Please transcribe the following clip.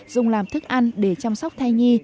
dùng làm thức ăn để chăm sóc thai nhi